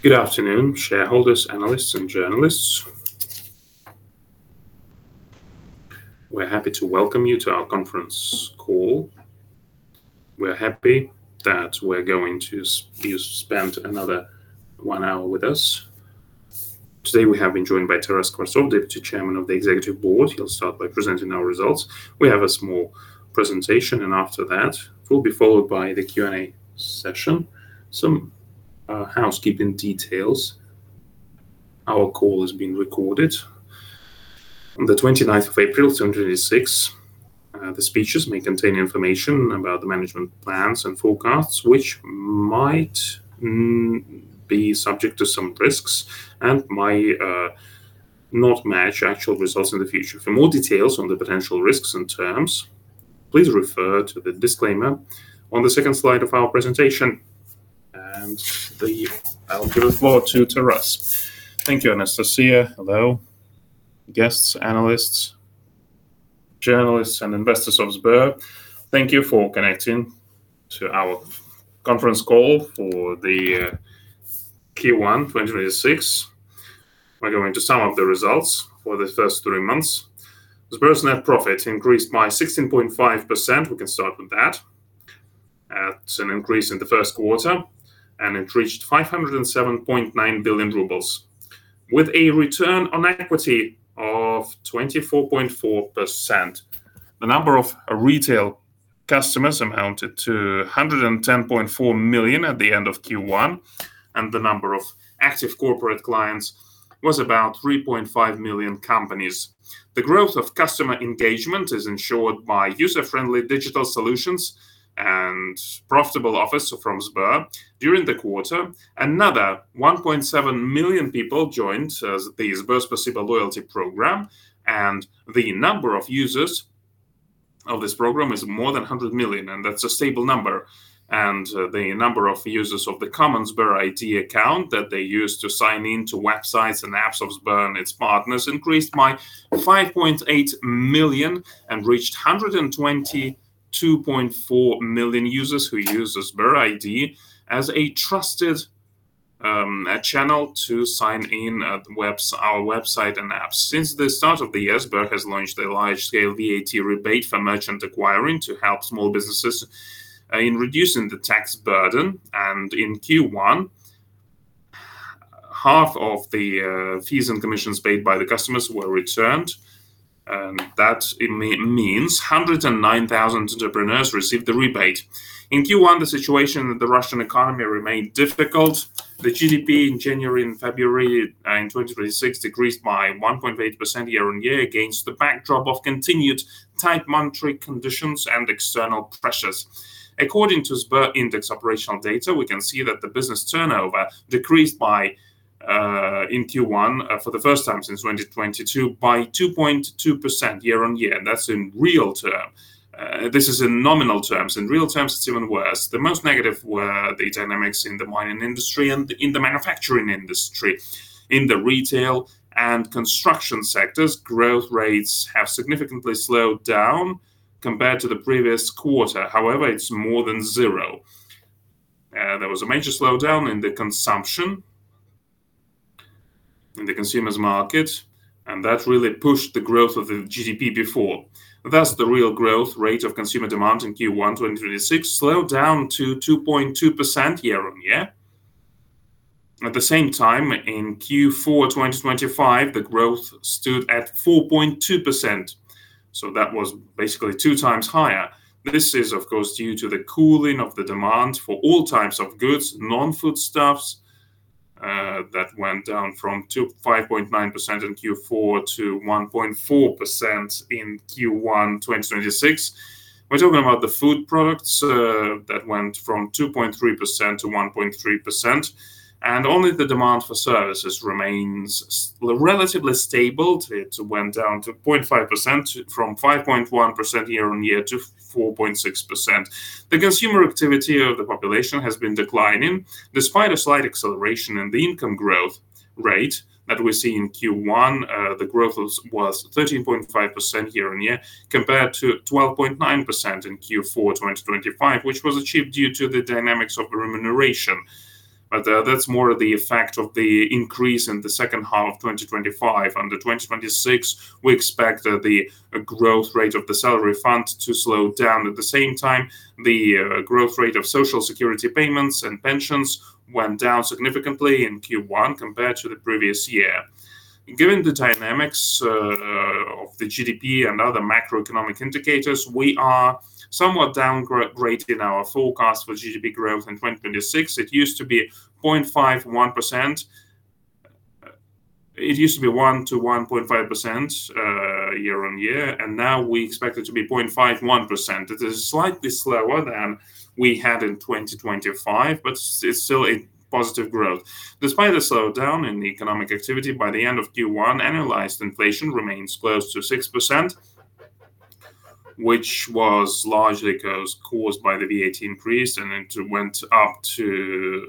Good afternoon, shareholders, analysts, and journalists. We're happy to welcome you to our conference call. We're happy that we're going to spend another one hour with us. Today, we have been joined by Taras Skvortsov, Deputy Chairman of the Executive Board. He'll start by presenting our results. We have a small presentation. After that will be followed by the Q&A session. Some housekeeping details. Our call is being recorded. On the April 29th, 2026, the speeches may contain information about the management plans and forecasts, which might be subject to some risks and might not match actual results in the future. For more details on the potential risks and terms, please refer to the disclaimer on the second slide of our presentation. I'll give the floor to Taras. Thank you, Anastasia. Hello, guests, analysts, journalists, and investors of Sber. Thank you for connecting to our conference call for the Q1 2026. We're going to sum up the results for the first three months. The Sber's net profit increased by 16.5%, we can start with that, at an increase in the Q1, and it reached 507.9 billion rubles with a return on equity of 24.4%. The number of retail customers amounted to 110.4 million at the end of Q1, and the number of active corporate clients was about 3.5 million companies. The growth of customer engagement is ensured by user-friendly digital solutions and profitable offers from Sber. During the quarter, another 1.7 million people joined the SberSpasibo loyalty program, the number of users of this program is more than 100 million, and that's a stable number. The number of users of the common Sber ID account that they use to sign in to websites and apps of Sber and its partners increased by 5.8 million and reached 122.4 million users who use Sber ID as a trusted channel to sign in at our website and apps. Since the start of the year, Sber has launched a large-scale VAT rebate for merchant acquiring to help small businesses in reducing the tax burden, and in Q1, half of the fees and commissions paid by the customers were returned. That means 109,000 entrepreneurs received the rebate. In Q1, the situation in the Russian economy remained difficult. The GDP in January and February in 2026 decreased by 1.8% year-on-year against the backdrop of continued tight monetary conditions and external pressures. According to Sber Index operational data, we can see that the business turnover decreased in Q1 for the first time since 2022, by 2.2% year-on-year, and that's in real term. This is in nominal terms. In real terms, it's even worse. The most negative were the dynamics in the mining industry and in the manufacturing industry. In the retail and construction sectors, growth rates have significantly slowed down compared to the previous quarter. It's more than zero. There was a major slowdown in the consumption in the consumer's market, and that really pushed the growth of the GDP before. Thus, the real growth rate of consumer demand in Q1 2026 slowed down to 2.2% year-on-year. At the same time, in Q4 2025, the growth stood at 4.2%, so that was basically two times higher. This is, of course, due to the cooling of the demand for all types of goods. Non-foodstuffs, that went down from 5.9% in Q4 to 1.4% in Q1 2026. We're talking about the food products, that went from 2.3% to 1.3%, and only the demand for services remains relatively stable. It went down to 0.5% from 5.1% year-on-year to 4.6%. The consumer activity of the population has been declining. Despite a slight acceleration in the income growth rate that we see in Q1, the growth was 13.5% year-on-year compared to 12.9% in Q4 2025, which was achieved due to the dynamics of remuneration. That's more of the effect of the increase in the H2 of 2025. Under 2026, we expect the growth rate of the salary fund to slow down. At the same time, the growth rate of Social Security payments and pensions went down significantly in Q1 compared to the previous year. Given the dynamics of the GDP and other macroeconomic indicators, we are somewhat downgraded in our forecast for GDP growth in 2026. It used to be 0.51%. It used to be 1%-1.5% year-over-year, and now we expect it to be 0.51%. It is slightly slower than we had in 2025, it is still a positive growth. Despite a slowdown in economic activity, by the end of Q1, analyzed inflation remains close to 6%, which was largely caused by the VAT increase, it went up to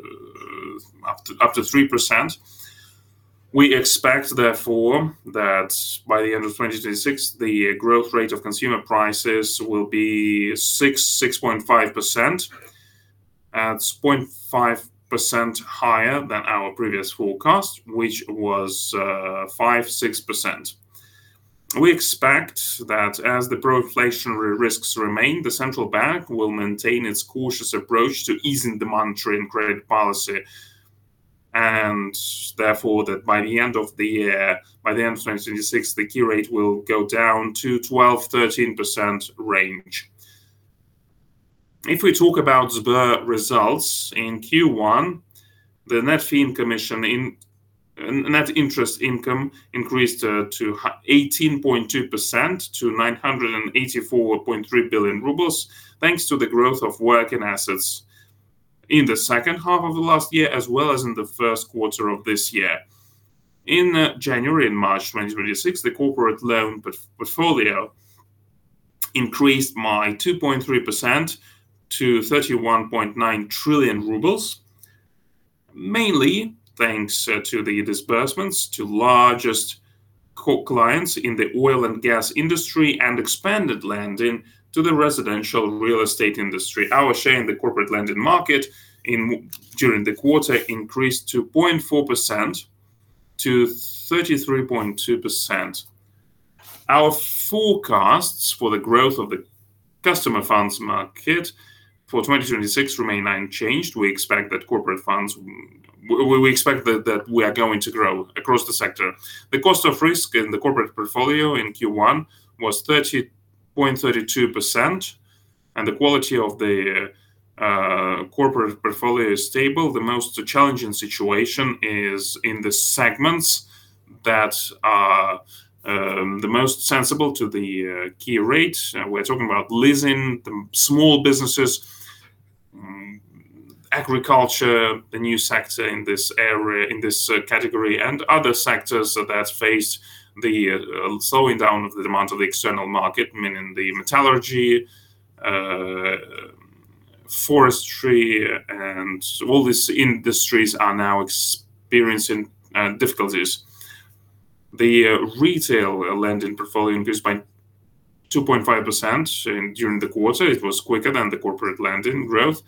3%. We expect therefore that by the end of 2026, the growth rate of consumer prices will be 6-6.5%. That is 0.5% higher than our previous forecast, which was 5-6%. We expect that as the pro-inflationary risks remain, the central bank will maintain its cautious approach to easing the monetary and credit policy. Therefore, that by the end of the year, by the end of 2026, the key rate will go down to 12-13% range. If we talk about Sber results in Q1, the net fee and commission net interest income increased to 18.2% to 984.3 billion rubles, thanks to the growth of working assets in the H2 of the last year, as well as in the Q1 of this year. In January and March 2026, the corporate loan portfolio increased by 2.3% to 31.9 trillion rubles, mainly thanks to the disbursements to largest co-clients in the oil and gas industry and expanded lending to the residential real estate industry. Our share in the corporate lending market during the quarter increased to 0.4% to 33.2%. Our forecasts for the growth of the customer funds market for 2026 remain unchanged. We expect that we are going to grow across the sector. The cost of risk in the corporate portfolio in Q1 was 30.32%, and the quality of the corporate portfolio is stable. The most challenging situation is in the segments that are the most sensible to the key rate. We're talking about leasing, the small businesses, agriculture, the new sector in this area, in this category, and other sectors that face the slowing down of the demand of the external market, meaning the metallurgy, forestry, and all these industries are now experiencing difficulties. The retail lending portfolio increased by 2.5% during the quarter. It was quicker than the corporate lending growth.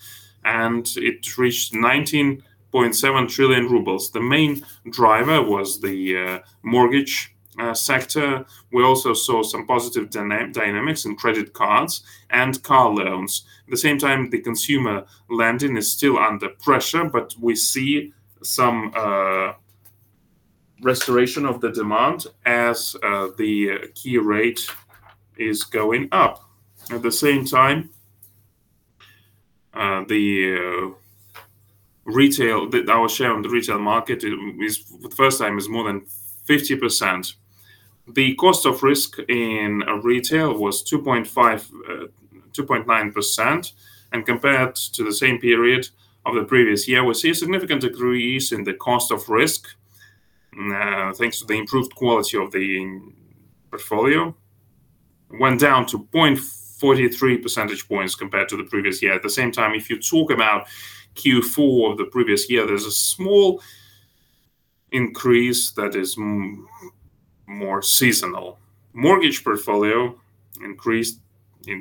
It reached 19.7 trillion rubles. The main driver was the mortgage sector. We also saw some positive dynamics in credit cards and car loans. At the same time, the consumer lending is still under pressure. We see some restoration of the demand as the key rate is going up. Our share on the retail market is, for the first time, is more than 50%. The cost of risk in retail was 2.5%, 2.9%. Compared to the same period of the previous year, we see a significant decrease in the cost of risk thanks to the improved quality of the portfolio. Went down to 0.43 percentage points compared to the previous year. At the same time, if you talk about Q4 of the previous year, there's a small increase that is more seasonal. Mortgage portfolio increased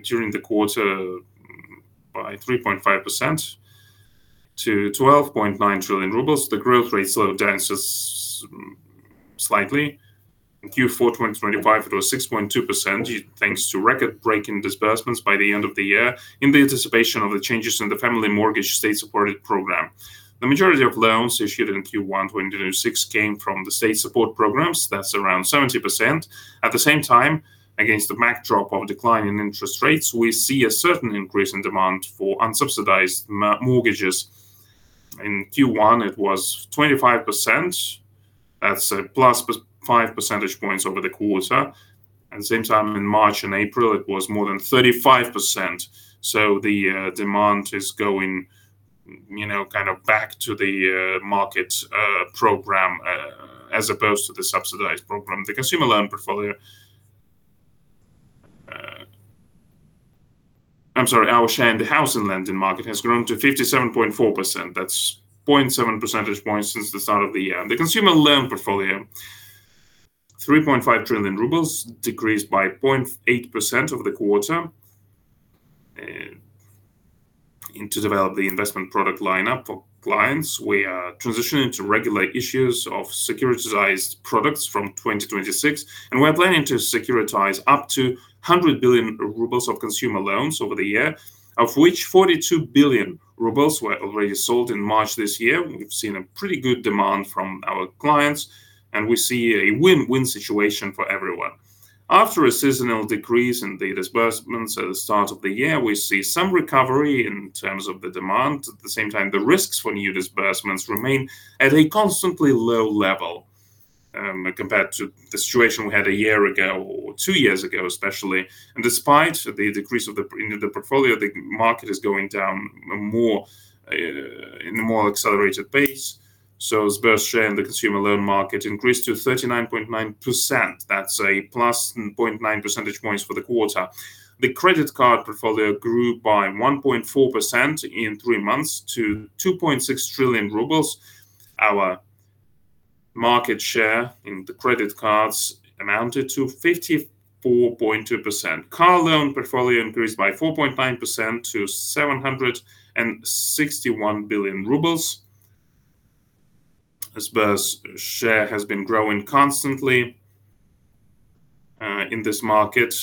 during the quarter by 3.5% to 12.9 trillion rubles. The growth rate slowed down just slightly. In Q4 2025, it was 6.2% thanks to record-breaking disbursements by the end of the year in the anticipation of the changes in the family mortgage state-supported program. The majority of loans issued in Q1 2026 came from the state support programs. That's around 70%. At the same time, against the backdrop of decline in interest rates, we see a certain increase in demand for unsubsidized mortgages. In Q1, it was 25%. That's a +5 percentage points over the quarter. At the same time, in March and April, it was more than 35%. The demand is going, you know, kind of back to the market program as opposed to the subsidized program. The consumer loan portfolio. I'm sorry. Our share in the housing lending market has grown to 57.4%. That's 0.7 percentage points since the start of the year. The consumer loan portfolio, 3.5 trillion rubles, decreased by 0.8% over the quarter. To develop the investment product lineup for clients, we are transitioning to regular issues of securitized products from 2026, and we're planning to securitize up to 100 billion rubles of consumer loans over the year, of which 42 billion rubles were already sold in March this year. We've seen a pretty good demand from our clients, and we see a win-win situation for everyone. After a seasonal decrease in the disbursements at the start of the year, we see some recovery in terms of the demand. At the same time, the risks for new disbursements remain at a constantly low level, compared to the situation we had one year ago or two years ago especially. Despite the decrease in the portfolio, the market is going down more in a more accelerated pace. Sber's share in the consumer loan market increased to 39.9%. That's a +0.9 percentage points for the quarter. The credit card portfolio grew by 1.4% in three months to 2.6 trillion rubles. Our market share in the credit cards amounted to 54.2%. Car loan portfolio increased by 4.9% to 761 billion rubles. Sber's share has been growing constantly in this market,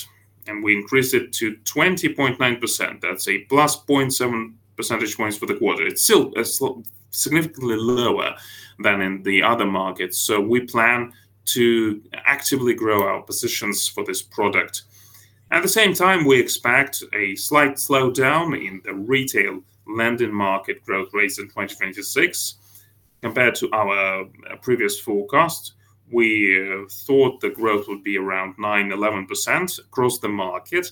and we increased it to 20.9%. That's a +0.7 percentage points for the quarter. It's still, it's significantly lower than in the other markets. We plan to actively grow our positions for this product. At the same time, we expect a slight slowdown in the retail lending market growth rates in 2026 compared to our previous forecast. We thought the growth would be around 9%-11% across the market.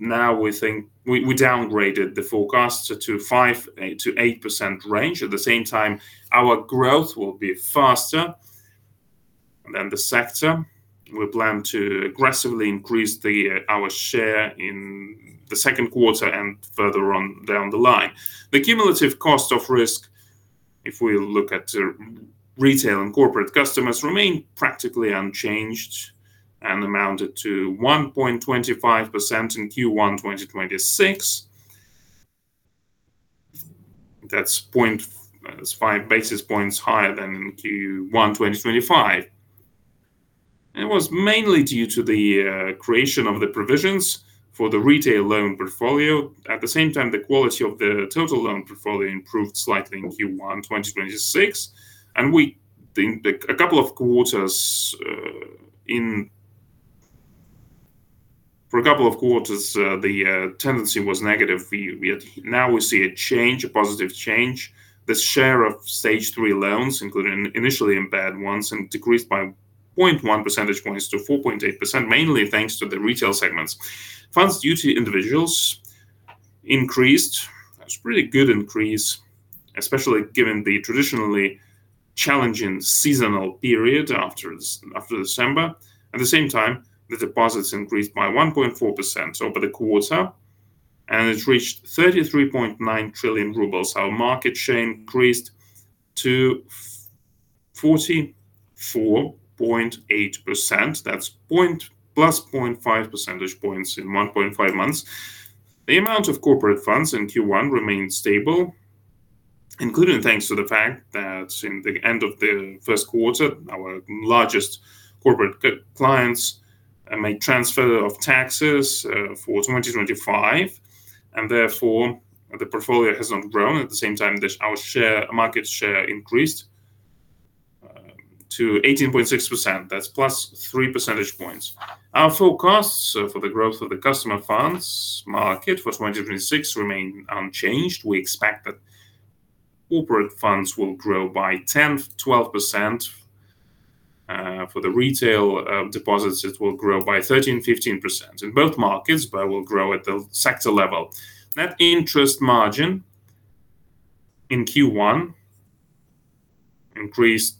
Now we think we downgraded the forecast to 5%-8% range. At the same time, our growth will be faster than the sector. We plan to aggressively increase our share in the Q2 and further on down the line. The cumulative cost of risk, if we look at retail and corporate customers, remain practically unchanged and amounted to 1.25% in Q1 2026. That's 5 basis points higher than in Q1 2025. It was mainly due to the creation of the provisions for the retail loan portfolio. At the same time, the quality of the total loan portfolio improved slightly in Q1 2026. We think that for a couple of quarters, the tendency was negative. Now we see a change, a positive change. The share of Stage 3 loans, including initially impaired ones, decreased by 0.1 percentage points to 4.8%, mainly thanks to the retail segments. Funds due to individuals increased. It was a pretty good increase, especially given the traditionally challenging seasonal period after December. At the same time, the deposits increased by 1.4% over the quarter. It reached 33.9 trillion rubles. Our market share increased to 44.8%. That's +0.5 percentage points in 1.5 months. The amount of corporate funds in Q1 remained stable, including thanks to the fact that in the end of the Q1, our largest corporate clients made transfer of taxes for 2025, and therefore, the portfolio has not grown. At the same time, our market share increased to 18.6%. That's +3 percentage points. Our forecasts for the growth of the customer funds market for 2026 remain unchanged. We expect that corporate funds will grow by 10%-12%. For the retail deposits, it will grow by 13%-15% in both markets, but it will grow at the sector level. Net interest margin in Q1 increased,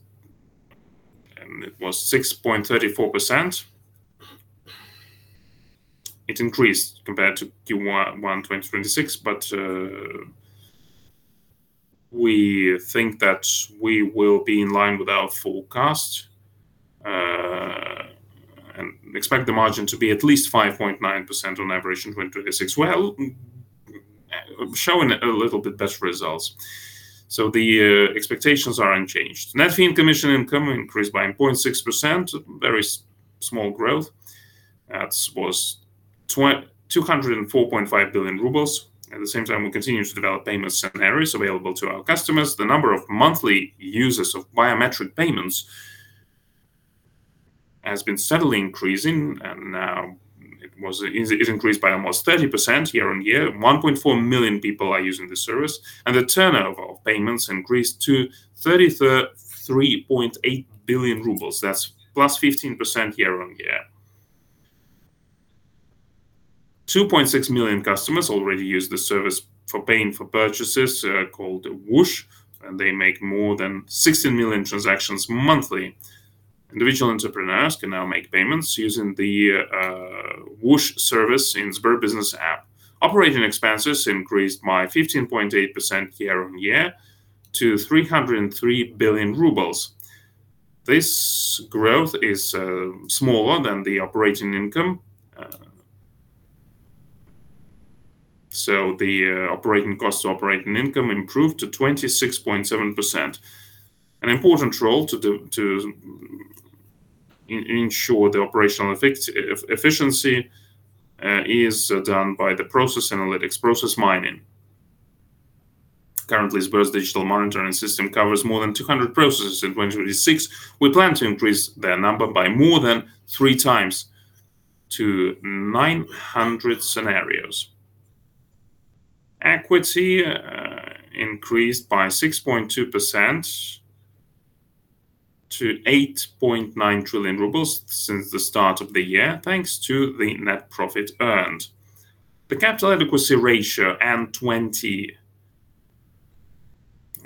and it was 6.34%. It increased compared to Q1 2026, but we think that we will be in line with our forecast and expect the margin to be at least 5.9% on average in 2026. We're showing a little bit better results, so the expectations are unchanged. Net fee and commission income increased by 0.6%, very small growth. That was 204.5 billion rubles. At the same time, we continue to develop payment scenarios available to our customers. The number of monthly users of biometric payments has been steadily increasing, and now it is increased by almost 30% year-on-year. 1.4 million people are using the service, and the turnover of payments increased to 3.8 billion RUB. That's +15% year-on-year. 2.6 million customers already use the service for paying for purchases, called Whoosh, and they make more than 16 million transactions monthly. Individual entrepreneurs can now make payments using the Whoosh service in SberBusiness app. Operating expenses increased by 15.8% year-on-year to 303 billion rubles. This growth is smaller than the operating income. The operating costs to operating income improved to 26.7%. An important role to ensure the operational efficiency is done by the process analytics, process mining. Currently, Sber's digital monitoring system covers more than 200 processes in 2026. We plan to increase their number by more than 3x to 900 scenarios. Equity increased by 6.2% to 8.9 trillion rubles since the start of the year, thanks to the net profit earned. The capital adequacy ratio, N20.0,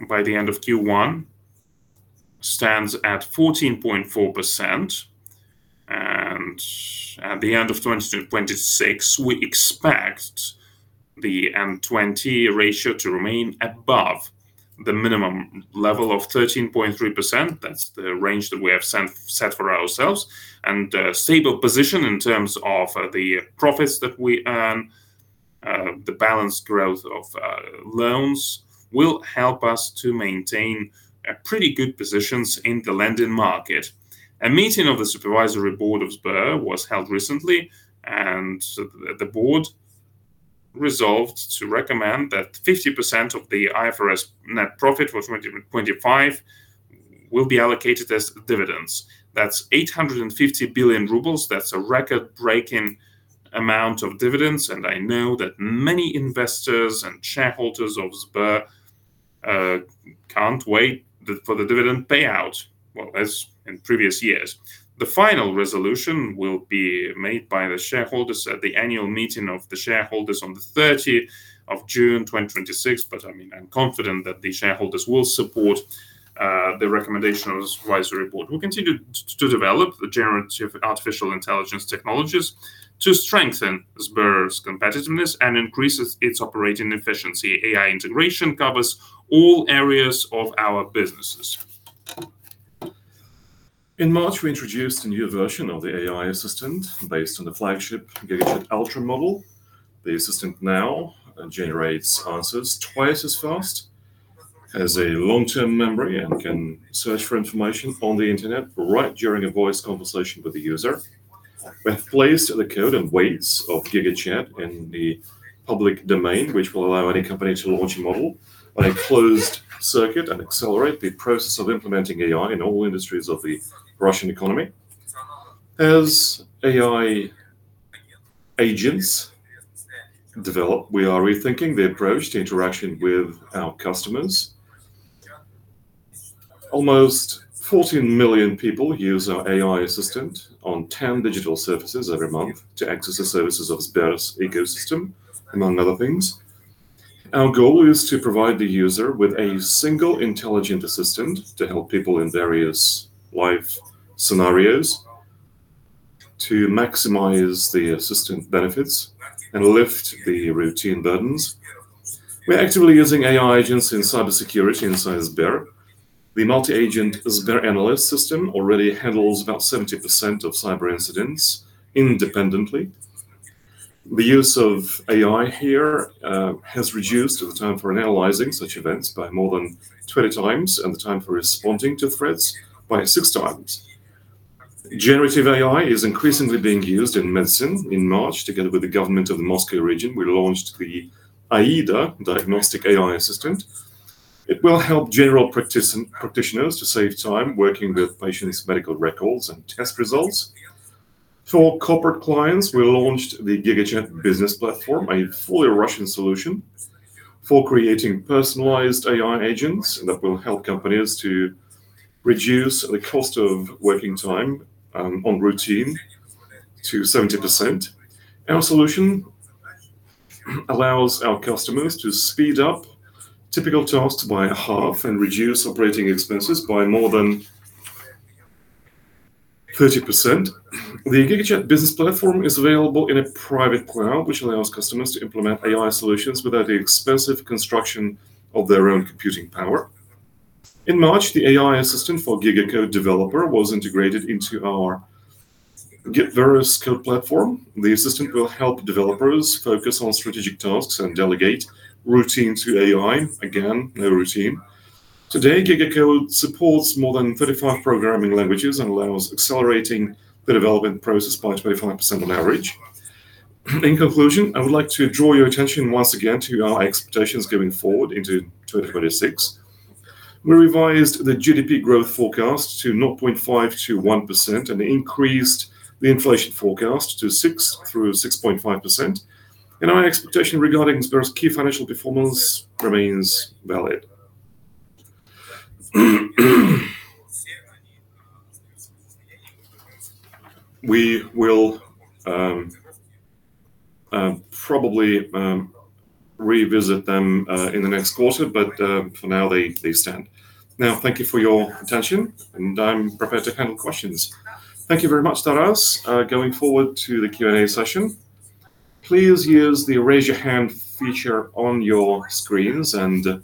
by the end of Q1 stands at 14.4%. At the end of 2020-2026, we expect the N20.0 ratio to remain above the minimum level of 13.3%. That is the range that we have set for ourselves. A stable position in terms of the profits that we earn, the balanced growth of loans will help us to maintain a pretty good positions in the lending market. A meeting of the Supervisory Board of Sber was held recently, the board resolved to recommend that 50% of the IFRS net profit for 2025 will be allocated as dividends. That is 850 billion rubles. That is a record-breaking amount of dividends, I know that many investors and shareholders of Sber can't wait for the dividend payout, well, as in previous years. The final resolution will be made by the shareholders at the annual meeting of the shareholders on June 30, 2026. I mean, I'm confident that the shareholders will support the recommendation of Supervisory Board. We'll continue to develop the generative artificial intelligence technologies to strengthen Sber's competitiveness and increases its operating efficiency. AI integration covers all areas of our businesses. In March, we introduced a new version of the AI assistant based on the flagship GigaChat Ultra model. The assistant now generates answers twice as fast, has a long-term memory, and can search for information on the internet right during a voice conversation with the user. We have placed the code and weights of GigaChat in the public domain, which will allow any company to launch a model on a closed circuit and accelerate the process of implementing AI in all industries of the Russian economy. As AI agents develop, we are rethinking the approach to interaction with our customers. Almost 14 million people use our AI assistant on 10 digital services every month to access the services of Sber's ecosystem, among other things. Our goal is to provide the user with a single intelligent assistant to help people in various life scenarios to maximize the assistant benefits and lift the routine burdens. We're actively using AI agents in cybersecurity inside Sber. The multi-agent Sber analyst system already handles about 70% of cyber incidents independently. The use of AI here has reduced the time for analyzing such events by more than 20x and the time for responding to threats by 6x. Generative AI is increasingly being used in medicine. In March, together with the government of the Moscow region, we launched the AIDA diagnostic AI assistant. It will help general practitioners to save time working with patients' medical records and test results. For corporate clients, we launched the GigaChat Enterprise platform, a fully Russian solution for creating personalized AI agents that will help companies to reduce the cost of working time on routine to 70%. Our solution allows our customers to speed up typical tasks by half and reduce operating expenses by more than 30%. The GigaChat business platform is available in a private cloud, which allows customers to implement AI solutions without the expensive construction of their own computing power. In March, the AI assistant for GigaCode developer was integrated into our various code platform. The assistant will help developers focus on strategic tasks and delegate routine to AI. Again, no routine. Today, GigaCode supports more than 35 programming languages and allows accelerating the development process by 25% on average. In conclusion, I would like to draw your attention once again to our expectations going forward into 2026. We revised the GDP growth forecast to 0.5%-1% and increased the inflation forecast to 6%-6.5%. Our expectation regarding Sber's key financial performance remains valid. We will probably revisit them in the next quarter. For now, they stand. Now, thank you for your attention. I'm prepared to handle questions. Thank you very much, Taras. Going forward to the Q&A session. Please use the raise your hand feature on your screens and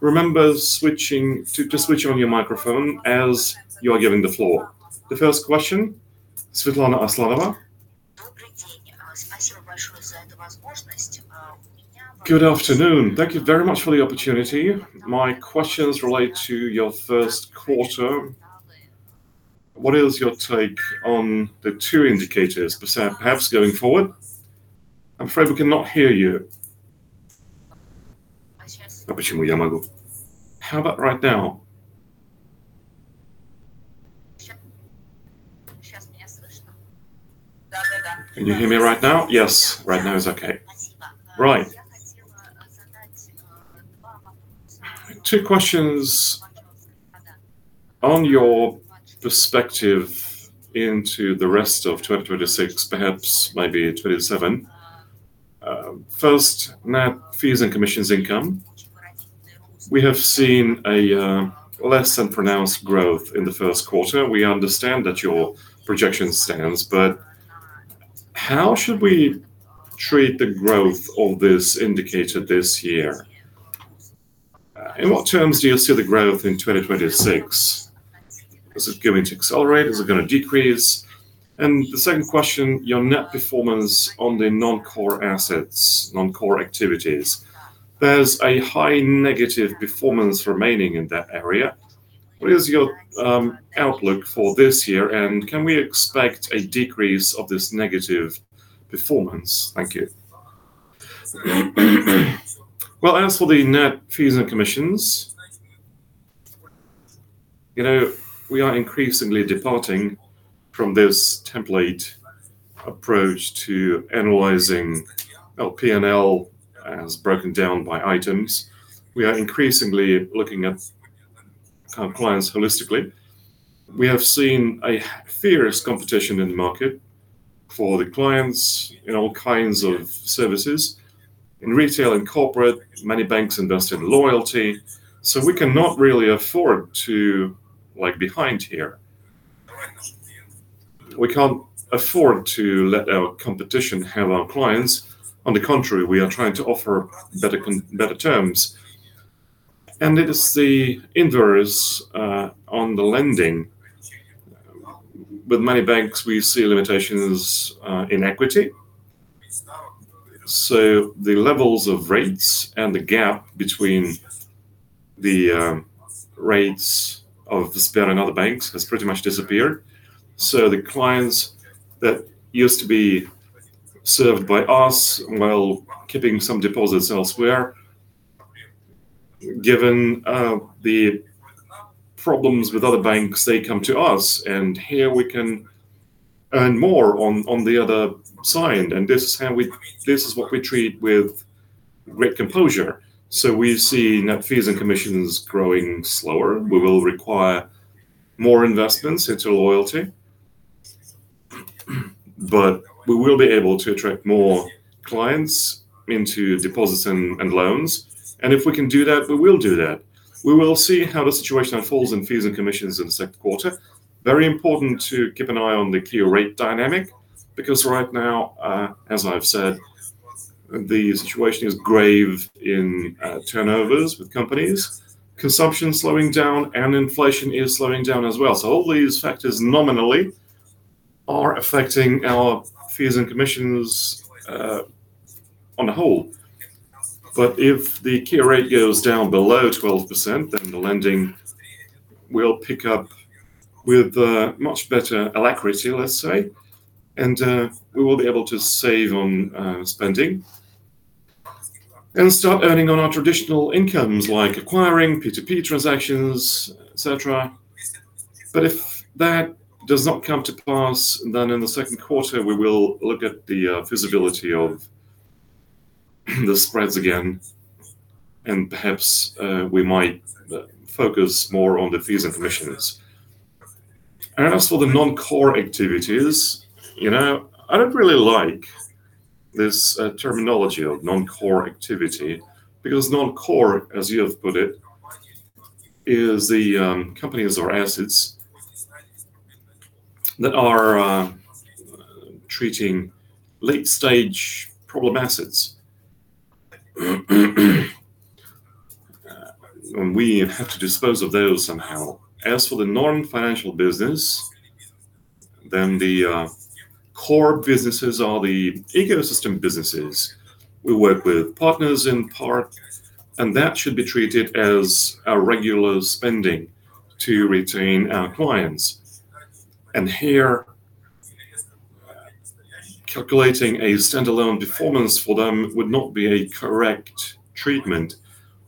remember switching to switch on your microphone as you are given the floor. The 1st question, Svetlana Aslanova. Good afternoon. Thank you very much for the opportunity. My questions relate to your Q1. What is your take on the two indicators, perhaps going forward? I'm afraid we cannot hear you. How about right now? Can you hear me right now? Yes. Right now is okay. Right. Two questions on your perspective into the rest of 2026, perhaps maybe 2027. First, net fees and commissions income. We have seen a less than pronounced growth in the Q1. We understand that your projection stands. How should we treat the growth of this indicator this year? In what terms do you see the growth in 2026? Is it going to accelerate? Is it gonna decrease? The second question, your net performance on the non-core assets, non-core activities. There's a high negative performance remaining in that area. What is your outlook for this year, and can we expect a decrease of this negative performance? Thank you. Well, as for the net fees and commissions, you know, we are increasingly departing from this template approach to analyzing P&L as broken down by items. We are increasingly looking at our clients holistically. We have seen a fierce competition in the market for the clients in all kinds of services. In retail and corporate, many banks invest in loyalty, so we cannot really afford to lag behind here. We can't afford to let our competition have our clients. On the contrary, we are trying to offer better terms. It is the inverse on the lending. With many banks, we see limitations in equity. The levels of rates and the gap between the rates of Sber and other banks has pretty much disappeared. The clients that used to be served by us while keeping some deposits elsewhere, given the problems with other banks, they come to us, and here we can earn more on the other side. This is how we this is what we treat with great composure. We see net fees and commissions growing slower. We will require more investments into loyalty, we will be able to attract more clients into deposits and loans. If we can do that, we will do that. We will see how the situation unfolds in fees and commissions in the Q2. Very important to keep an eye on the key rate dynamic because right now, as I've said, the situation is grave in turnovers with companies. Consumption slowing down, inflation is slowing down as well. All these factors nominally are affecting our fees and commissions on the whole. If the key rate goes down below 12%, then the lending will pick up with much better alacrity, let's say. We will be able to save on spending and start earning on our traditional incomes like acquiring, P2P transactions, et cetera. If that does not come to pass, then in the Q2, we will look at the feasibility of the spreads again, and perhaps, we might focus more on the fees and commissions. As for the non-core activities, you know, I don't really like this terminology of non-core activity because non-core, as you have put it, is the companies or assets that are treating late-stage problem assets. We have to dispose of those somehow. As for the non-financial business, the core businesses are the ecosystem businesses. We work with partners in part, and that should be treated as a regular spending to retain our clients. Here, calculating a standalone performance for them would not be a correct treatment.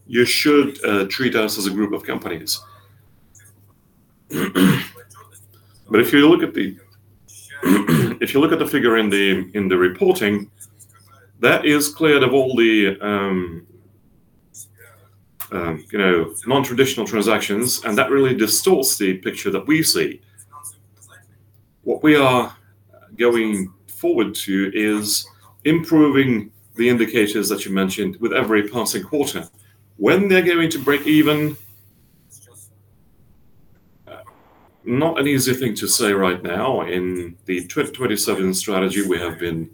You should treat us as a group of companies. If you look at the figure in the reporting, that is cleared of all the, you know, non-traditional transactions, and that really distorts the picture that we see. What we are going forward to is improving the indicators that you mentioned with every passing quarter. When they're going to break even, not an easy thing to say right now. In the 2027 strategy, we have been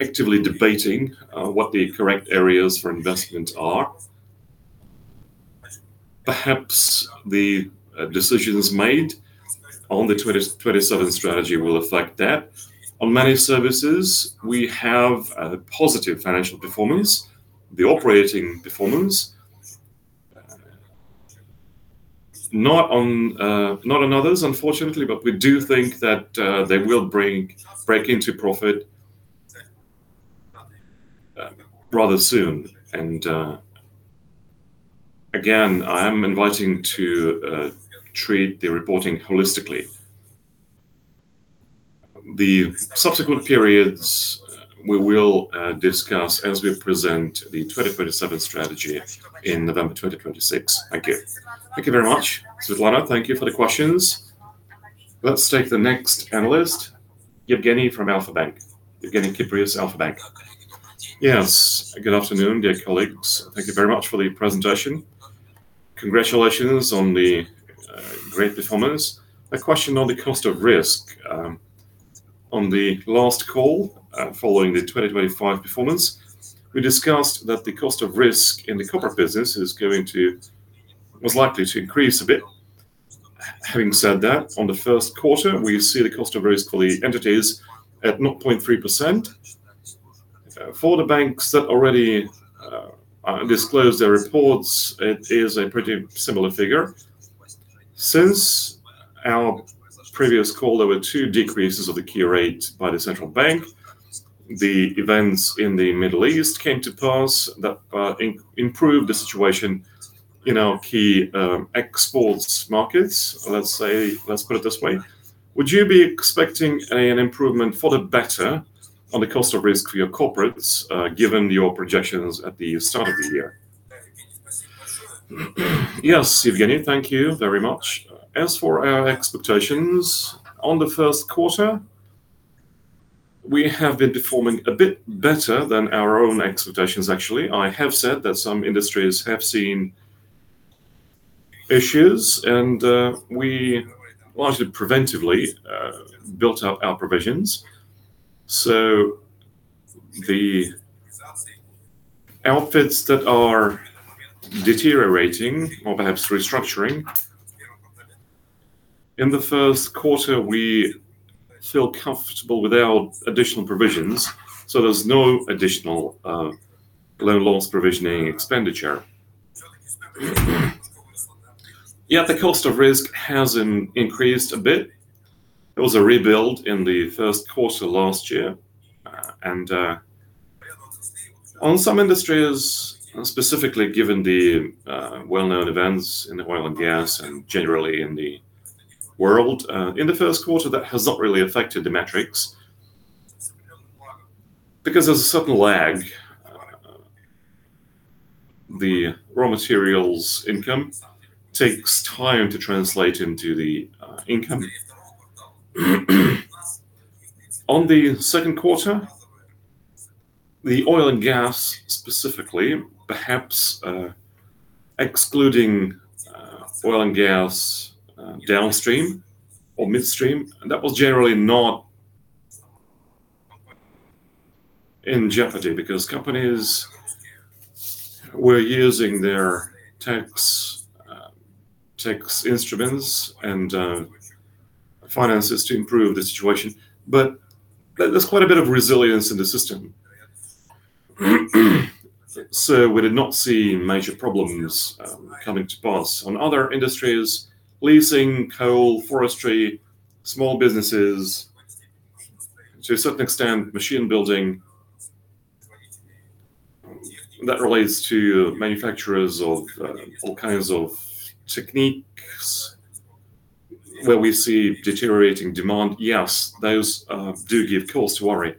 actively debating what the correct areas for investment are. Perhaps the decisions made on the 2027 strategy will affect that. On many services, we have a positive financial performance, the operating performance. Not on others, unfortunately, but we do think that they will break into profit rather soon. Again, I am inviting to treat the reporting holistically. The subsequent periods we will discuss as we present the 2027 strategy in November 2026. Thank you. Thank you very much. Svetlana, thank you for the questions. Let's take the next analyst, Evgeniy Kipnis from Alfa-Bank. Evgeniy Kipnis, Alfa-Bank. Yes. Good afternoon, dear colleagues. Thank you very much for the presentation. Congratulations on the great performance. A question on the cost of risk. On the last call, following the 2025 performance, we discussed that the cost of risk in the corporate business was likely to increase a bit. Having said that, on the Q1, we see the cost of risk for the entities at 0.3%. For the banks that already disclosed their reports, it is a pretty similar figure. Since our previous call, there were two decreases of the key rate by the Central Bank. The events in the Middle East came to pass that improved the situation in our key exports markets, let's say. Let's put it this way. Would you be expecting an improvement for the better on the cost of risk for your corporates, given your projections at the start of the year? Yes, Evgeniy, thank you very much. As for our expectations on the Q1, we have been performing a bit better than our own expectations actually. I have said that some industries have seen issues, we largely preventively built up our provisions. The outfits that are deteriorating or perhaps restructuring, in the Q1, we feel comfortable with our additional provisions, there's no additional loan loss provisioning expenditure. The cost of risk has increased a bit. It was a rebuild in the Q1 last year. On some industries, specifically given the well-known events in the oil and gas and generally in the world, in the Q1, that has not really affected the metrics because there's a certain lag. The raw materials income takes time to translate into the income. On the Q2, the oil and gas specifically, perhaps, excluding oil and gas, downstream or midstream, that was generally not in jeopardy because companies were using their tax instruments and finances to improve the situation. There's quite a bit of resilience in the system. We did not see major problems coming to pass. On other industries, leasing, coal, forestry, small businesses, to a certain extent machine building, that relates to manufacturers of all kinds of techniques where we see deteriorating demand. Yes, those do give cause to worry.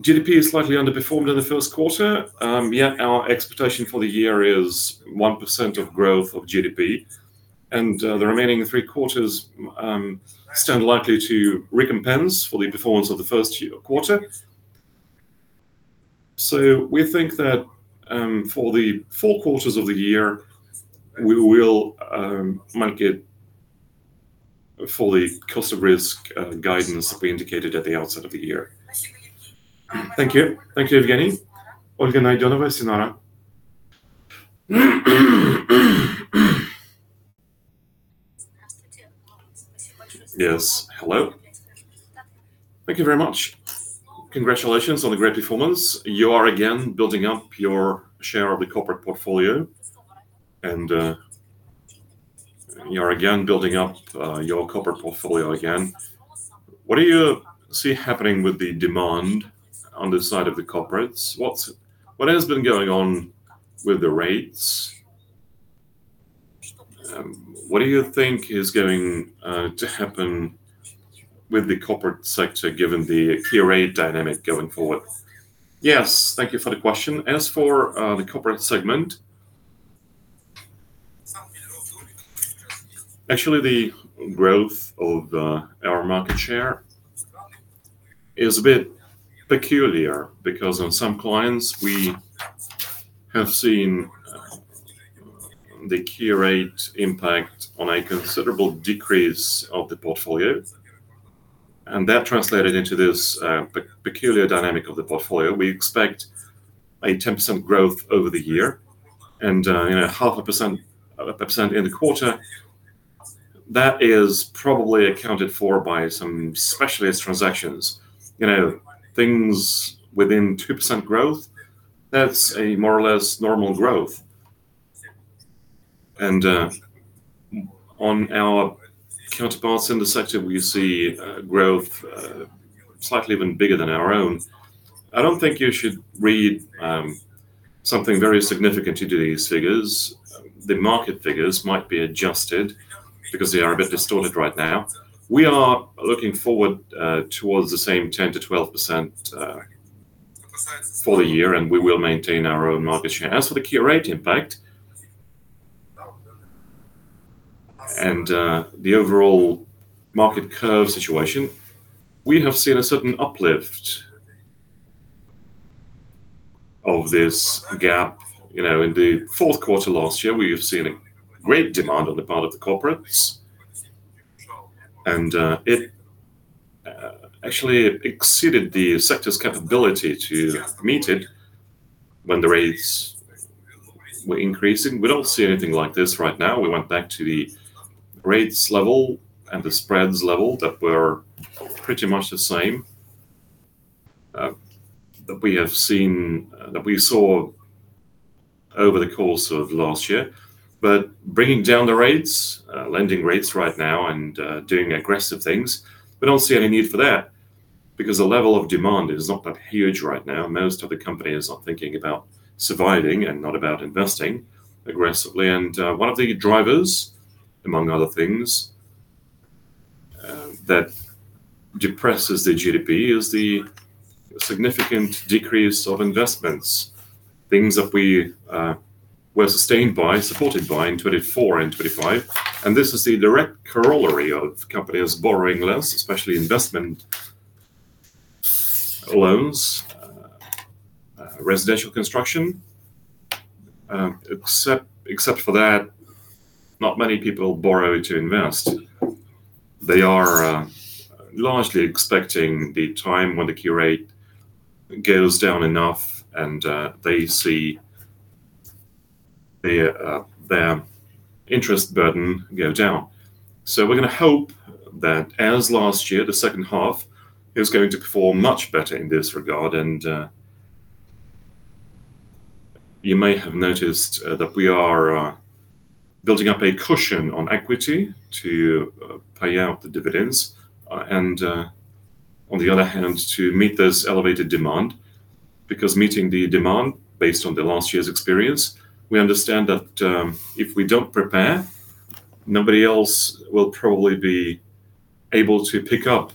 GDP has slightly underperformed in the Q1. Yet our expectation for the year is 1% of growth of GDP, and the remaining three quarters stand likely to recompense for the performance of the Q1. We think that for the four quarters of the year, we will make it fully cost of risk guidance we indicated at the outset of the year. Thank you. Thank you, Evgeniy. Olga Naidyonova, Sinara. Yes. Hello. Thank you very much. Congratulations on the great performance. You are again building up your share of the corporate portfolio, and you are again building up your corporate portfolio again. What do you see happening with the demand on the side of the corporates? What has been going on with the rates? What do you think is going to happen with the corporate sector given the key rate dynamic going forward? Yes. Thank you for the question. As for the corporate segment, actually the growth of our market share is a bit peculiar because on some clients we have seen the key rate impact on a considerable decrease of the portfolio, and that translated into this peculiar dynamic of the portfolio. We expect a 10% growth over the year and, you know, 0.5%, a percent in the quarter. That is probably accounted for by some specialist transactions. You know, things within 2% growth, that's a more or less normal growth. On our counterparts in the sector, we see growth slightly even bigger than our own. I don't think you should read something very significant into these figures. The market figures might be adjusted because they are a bit distorted right now. We are looking forward towards the same 10%-12%. For the year, we will maintain our own market share. As for the key rate impact and the overall market curve situation, we have seen a certain uplift of this gap. You know, in the Q4 last year, we have seen a great demand on the part of the corporates, and it actually exceeded the sector's capability to meet it when the rates were increasing. We don't see anything like this right now. We went back to the rates level and the spreads level that were pretty much the same that we saw over the course of last year. Bringing down the rates, lending rates right now, and doing aggressive things, we don't see any need for that because the level of demand is not that huge right now. Most of the companies are thinking about surviving and not about investing aggressively. One of the drivers, among other things, that depresses the GDP is the significant decrease of investments, things that we were sustained by, supported by in 2024 and 2025, and this is the direct corollary of companies borrowing less, especially investment loans, residential construction. Except for that, not many people borrow to invest. They are largely expecting the time when the key rate goes down enough and they see their interest burden go down. We're gonna hope that as last year, the H2 is going to perform much better in this regard, and you may have noticed that we are building up a cushion on equity to pay out the dividends, and on the other hand, to meet this elevated demand. Because meeting the demand based on the last year's experience, we understand that if we don't prepare, nobody else will probably be able to pick up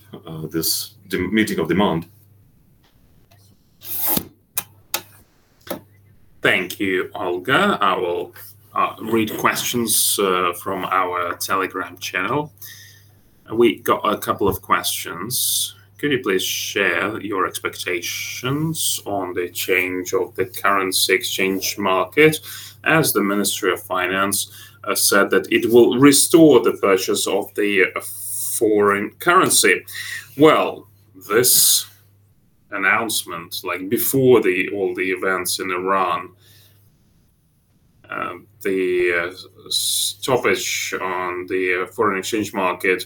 this meeting of demand. Thank you, Olga. I will read questions from our Telegram channel. We got a couple of questions. Could you please share your expectations on the change of the currency exchange market, as the Ministry of Finance has said that it will restore the purchase of the foreign currency? This announcement, like before the, all the events in Iran, the stoppage on the foreign exchange market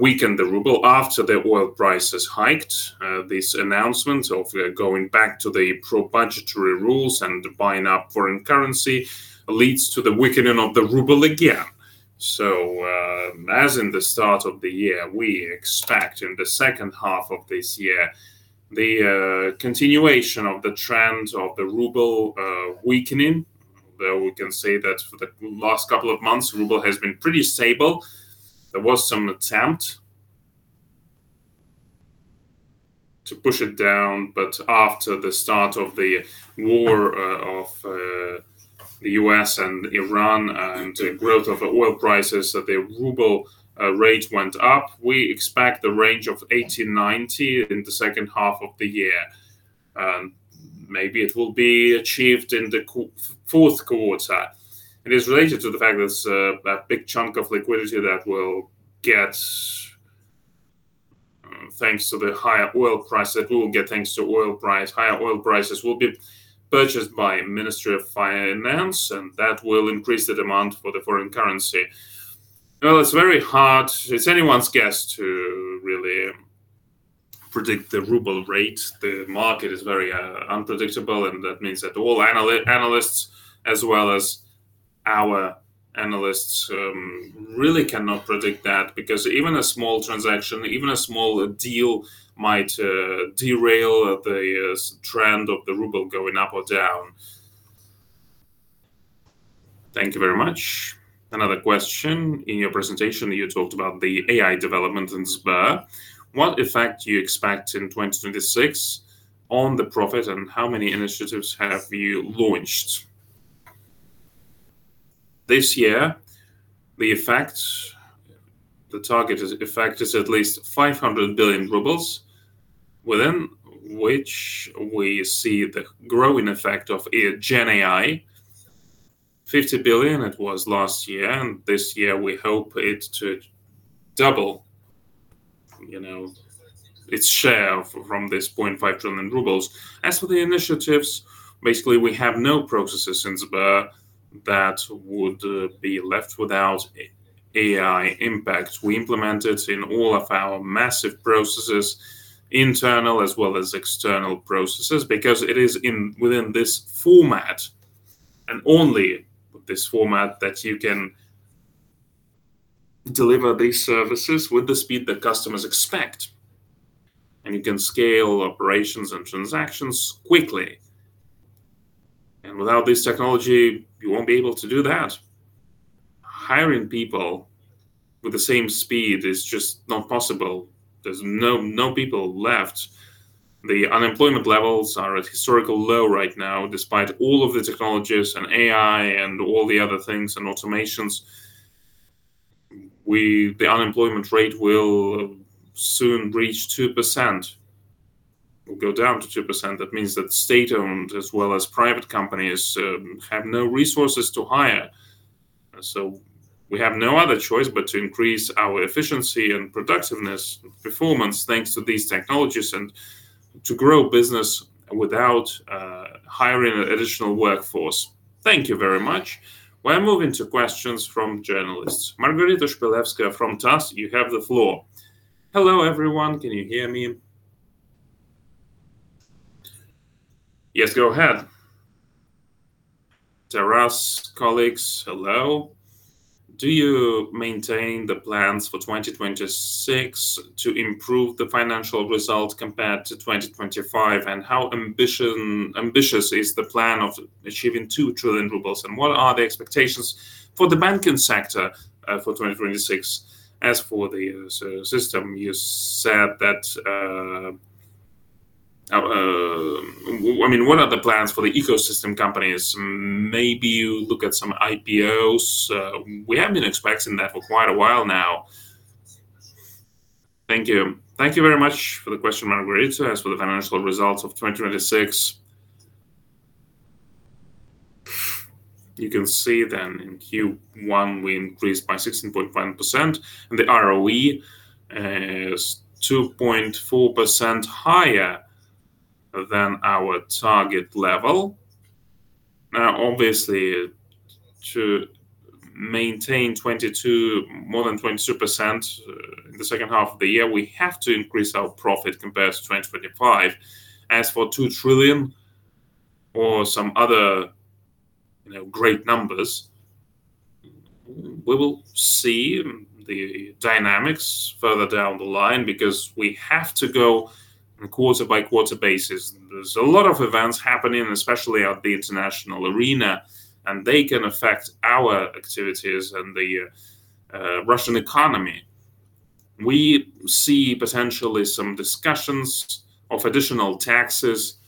weakened the RUB after the oil prices hiked. This announcement of going back to the pro-budgetary rules and buying up foreign currency leads to the weakening of the RUB again. As in the start of the year, we expect in the H2 of this year the continuation of the trend of the RUB weakening. We can say that for the last couple of months, RUB has been pretty stable. There was some attempt to push it down, but after the start of the war of the U.S. and Iran, and the growth of oil prices, the ruble rate went up. We expect the range of 18-90 in the H2 of the year. Maybe it will be achieved in the Q4. It is related to the fact that big chunk of liquidity that will get thanks to the higher oil price, that we will get thanks to oil price. Higher oil prices will be purchased by Ministry of Finance, and that will increase the demand for the foreign currency. It's very hard. It's anyone's guess to really predict the ruble rate. The market is very unpredictable, and that means that all analysts, as well as our analysts, really cannot predict that because even a small transaction, even a small deal might derail the trend of the ruble going up or down. Thank you very much. Another question. In your presentation you talked about the AI development in Sber. What effect do you expect in 2026 on the profit, and how many initiatives have you launched? This year, the effect, the target is effect is at least 500 billion rubles, within which we see the growing effect of GenAI. 50 billion it was last year. This year we hope it to double, you know, its share from this point, 5 trillion rubles. As for the initiatives, basically we have no processes in Sber that would be left without a AI impact. We implement it in all of our massive processes, internal as well as external processes, because it is in, within this format, and only this format, that you can deliver these services with the speed that customers expect, and you can scale operations and transactions quickly. Without this technology, you won't be able to do that. Hiring people with the same speed is just not possible. There's no people left. The unemployment levels are at historical low right now, despite all of the technologies, and AI, and all the other things, and automations. The unemployment rate will soon reach 2%, will go down to 2%. That means that state-owned, as well as private companies, have no resources to hire. We have no other choice but to increase our efficiency and productiveness, performance, thanks to these technologies, and to grow business without hiring an additional workforce. Thank you very much. We're moving to questions from journalists. Margarita Shpilevskaya from TASS, you have the floor. Hello, everyone. Can you hear me? Yes, go ahead. TASS colleagues, hello. Do you maintain the plans for 2026 to improve the financial results compared to 2025? How ambitious is the plan of achieving 2 trillion rubles? What are the expectations for the banking sector for 2026? As for the system, you said that. Well, I mean, one of the plans for the ecosystem company is maybe you look at some IPOs. We have been expecting that for quite a while now. Thank you. Thank you very much for the question, Margarita. As for the financial results of 2026, you can see then in Q1, we increased by 16.1%, and the ROE is 2.4% higher than our target level. Now, obviously, to maintain 22%, more than 22%, in the H2 of the year, we have to increase our profit compared to 2025. As for 2 trillion or some other, you know, great numbers, we will see the dynamics further down the line because we have to go on a quarter-by-quarter basis. There is a lot of events happening, especially at the international arena, and they can affect our activities and the Russian economy. We see potentially some discussions of additional taxes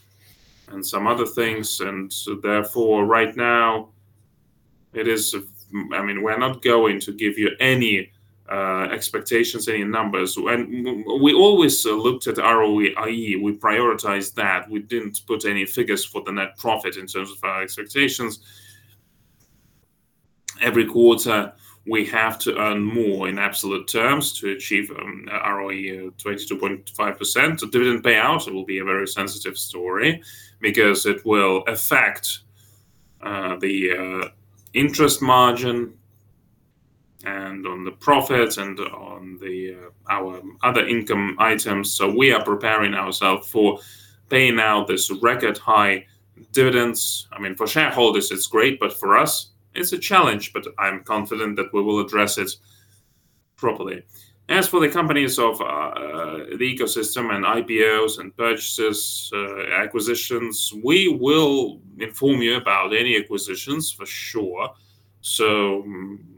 and some other things, and so therefore, right now, I mean, we're not going to give you any expectations, any numbers. When we always looked at ROE, i.e. we prioritize that. We didn't put any figures for the net profit in terms of our expectations. Every quarter, we have to earn more in absolute terms to achieve a ROE of 22.5%. The dividend payout will be a very sensitive story because it will affect the interest margin and on the profits and on our other income items. We are preparing ourself for paying out this record high dividends. I mean, for shareholders, it's great, but for us, it's a challenge, I'm confident that we will address it properly. As for the companies of the ecosystem and IPOs and purchases, acquisitions, we will inform you about any acquisitions for sure.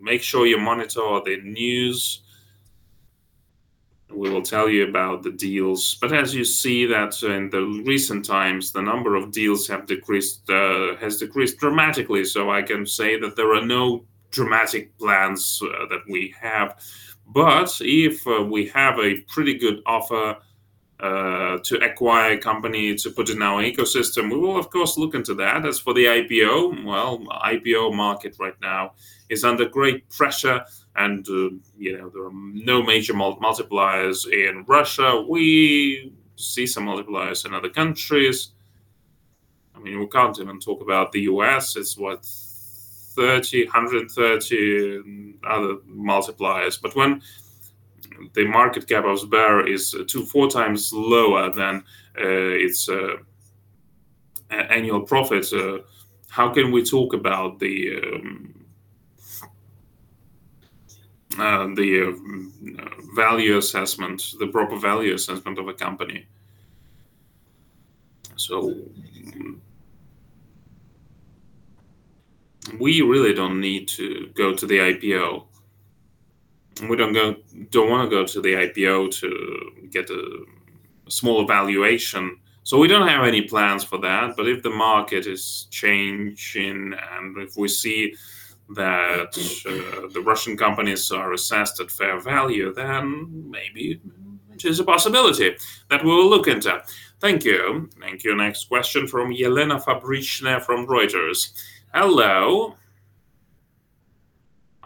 Make sure you monitor the news. We will tell you about the deals. As you see that in the recent times, the number of deals has decreased dramatically. I can say that there are no dramatic plans that we have. If we have a pretty good offer to acquire a company to put in our ecosystem, we will of course look into that. As for the IPO, well, IPO market right now is under great pressure and, you know, there are no major multipliers in Russia. I mean, we can't even talk about the U.S. It's what? 30, 130 other multipliers. When the market cap of Sber is 2x-4x lower than its annual profits, how can we talk about the, you know, value assessment, the proper value assessment of a company? We really don't need to go to the IPO, and we don't wanna go to the IPO to get a small valuation. We don't have any plans for that. If the market is changing, and if we see that the Russian companies are assessed at fair value, then maybe it is a possibility that we will look into. Thank you. Thank you. Next question from Elena Fabrichnaya from Reuters. Hello.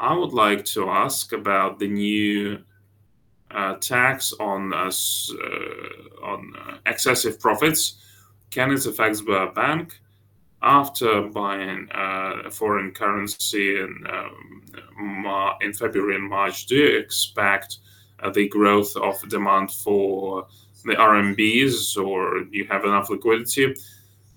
I would like to ask about the new tax on excessive profits. Can this affect Sberbank? After buying foreign currency in February and March, do you expect the growth of demand for the RMBs, or do you have enough liquidity?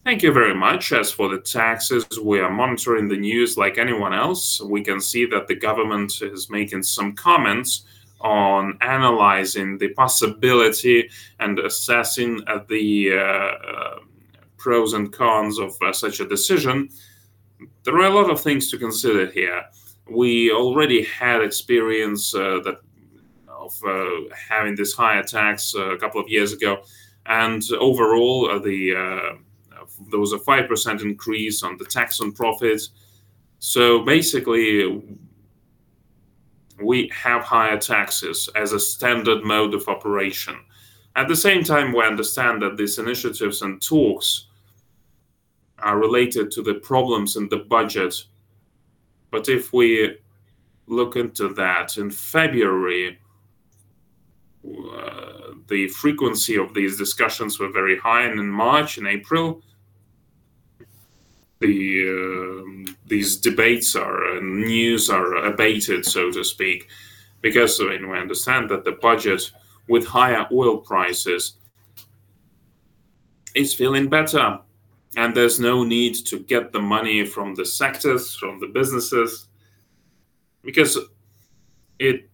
Thank you very much. As for the taxes, we are monitoring the news like anyone else. We can see that the government is making some comments on analyzing the possibility and assessing at the pros and cons of such a decision. There are a lot of things to consider here. We already had experience that. Of having this higher tax a couple of years ago, and overall, there was a 5% increase on the tax on profits. Basically, we have higher taxes as a standard mode of operation. At the same time, we understand that these initiatives and tools are related to the problems in the budget. If we look into that, in February, the frequency of these discussions were very high, and in March and April, these debates, and news are abated, so to speak, because, I mean, we understand that the budget with higher oil prices is feeling better, and there's no need to get the money from the sectors, from the businesses, because it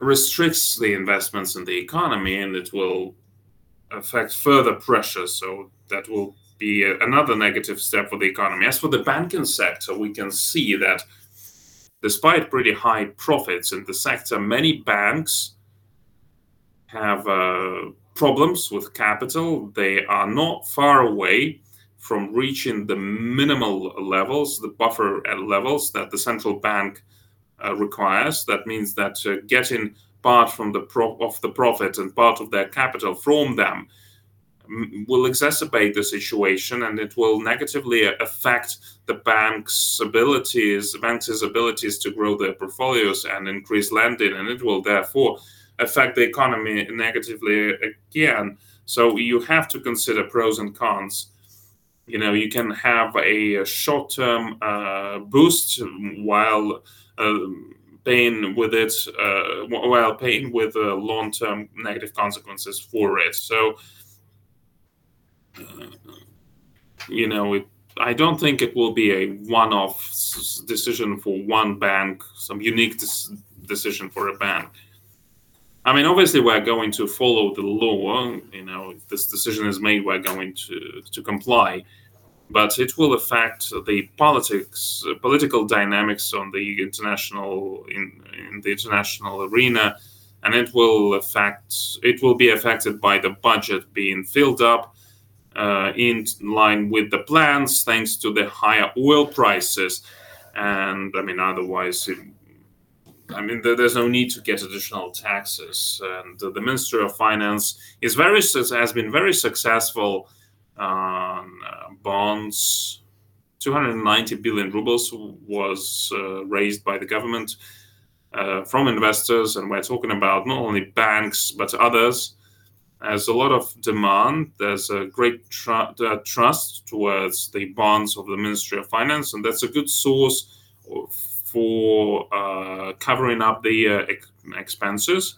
restricts the investments in the economy, and it will affect further pressure. That will be another negative step for the economy. As for the banking sector, we can see that despite pretty high profits in the sector, many banks have problems with capital. They are not far away from reaching the minimal levels, the buffer levels that the Central Bank requires. That means that getting part of the profit and part of their capital from them will exacerbate the situation, and it will negatively affect the banks' abilities to grow their portfolios and increase lending, and it will therefore affect the economy negatively again. You have to consider pros and cons. You know, you can have a short-term boost while paying with it, while paying with the long-term negative consequences for it. I don't think it will be a one-off decision for one bank, some unique decision for a bank. I mean, obviously, we're going to follow the law. You know, if this decision is made, we're going to comply. It will affect the politics, political dynamics on the international, in the international arena, and it will affect, it will be affected by the budget being filled up in line with the plans, thanks to the higher oil prices. I mean, otherwise, it I mean, there's no need to get additional taxes. The Ministry of Finance has been very successful on bonds. 290 billion rubles was raised by the government from investors, and we're talking about not only banks, but others. There's a lot of demand. There's a great trust towards the bonds of the Ministry of Finance. That's a good source for covering up the expenses.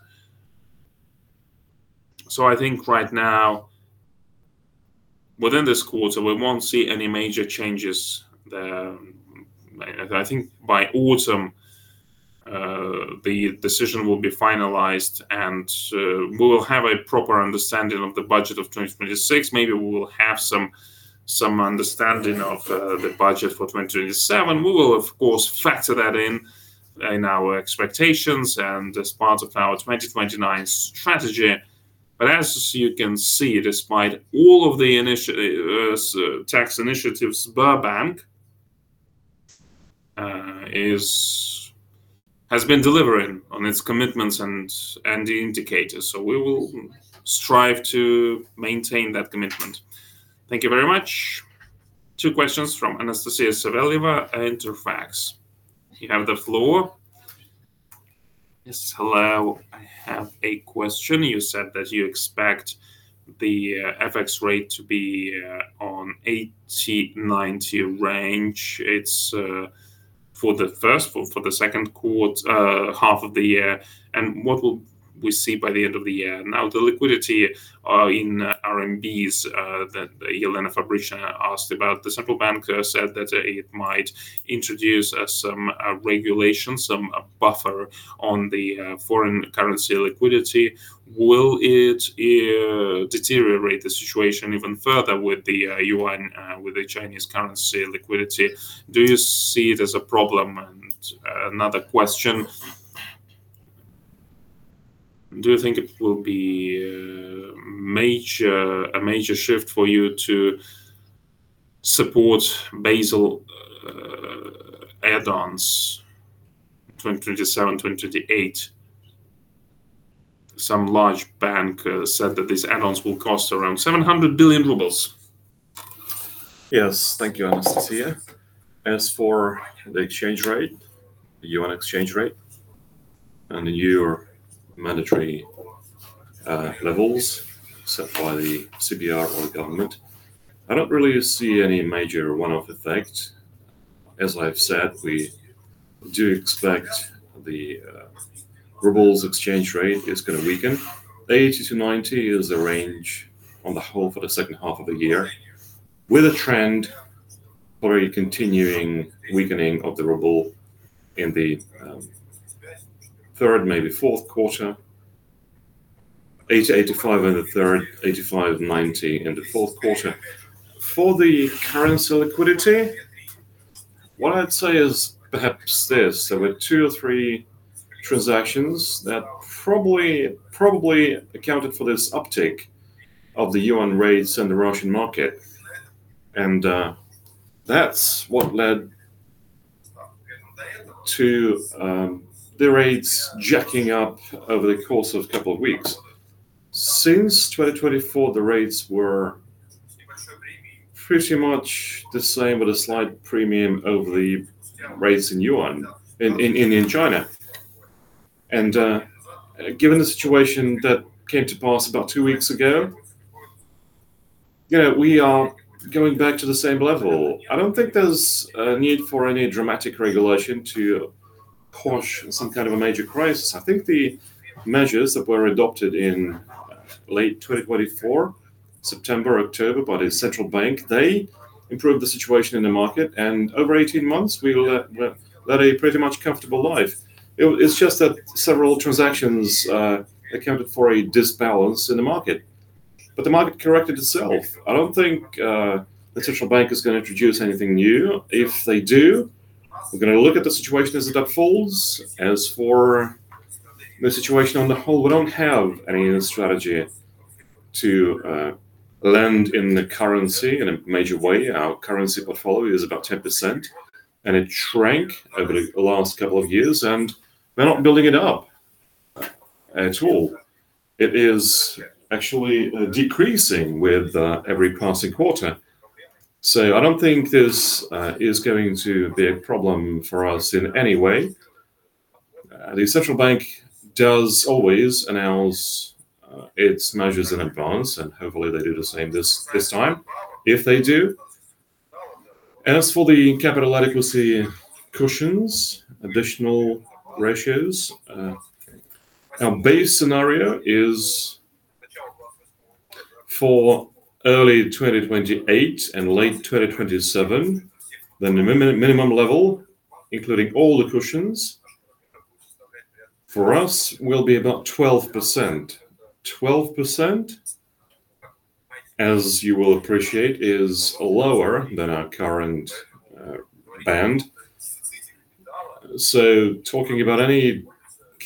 I think right now, within this quarter, we won't see any major changes. I think by autumn, the decision will be finalized, and we will have a proper understanding of the budget of 2026. Maybe we will have some understanding of the budget for 2027. We will, of course, factor that in our expectations and as part of our 2029 strategy. As you can see, despite all of the tax initiatives, Sberbank has been delivering on its commitments and the indicators. We will strive to maintain that commitment. Thank you very much. Two questions from Anastasia Savelieva, Interfax. You have the floor. Yes, hello. I have a question. You said that you expect the FX rate to be on 80-90 range. It's for the Q1, for the Q2, half of the year. What will we see by the end of the year? Now, the liquidity in CNY, that Elena Fabrichnaya asked about, the Central Bank said that it might introduce some regulation, some buffer on the foreign currency liquidity. Will it deteriorate the situation even further with the yuan, with the Chinese currency liquidity? Do you see it as a problem? Another question. Do you think it will be a major shift for you to support Basel add-ons 2027, 2028? Some large bank said that these add-ons will cost around 700 billion rubles. Yes. Thank you, Anastasia. As for the exchange rate, the yuan exchange rate, and your mandatory levels set by the CBR or the government, I don't really see any major one-off effect. As I've said, we do expect the ruble's exchange rate is gonna weaken. 80- 90 is the range on the whole for the H2 of the year, with a trend probably continuing weakening of the ruble in the Q3, maybe Q4. 80%-85% in the third, 85%-90% in the Q4. For the currency liquidity, what I'd say is perhaps this. There were two or three transactions that probably accounted for this uptick of the yuan rates in the Russian market, and that's what led to the rates jacking up over the course of a couple of weeks. Since 2024, the rates were pretty much the same with a slight premium over the rates in yuan in China. Given the situation that came to pass about two weeks ago, you know, we are going back to the same level. I don't think there's a need for any dramatic regulation to quash some kind of a major crisis. I think the measures that were adopted in late 2024, September, October, by the Central Bank, they improved the situation in the market. Over 18 months we led a pretty much comfortable life. It's just that several transactions accounted for a disbalance in the market. The market corrected itself. I don't think the Central Bank is gonna introduce anything new. If they do, we're gonna look at the situation as it unfolds. As for the situation on the whole, we don't have any strategy to lend in the currency in a major way. Our currency portfolio is about 10%. It shrank over the last couple of years. We're not building it up at all. It is actually decreasing with every passing quarter. I don't think this is going to be a problem for us in any way. The Central Bank does always announce its measures in advance, and hopefully they do the same this time if they do. As for the capital adequacy cushions, additional ratios, our base scenario is for early 2028 and late 2027, the minimum level, including all the cushions for us will be about 12%. 12%, as you will appreciate, is lower than our current band. Talking about any